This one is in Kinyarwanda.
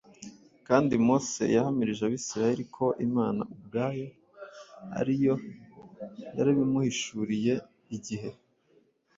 Kandi Mose yahamirije Abisiraheli ko Imana ubwayo ari Yo yarabimuhishuriye igihe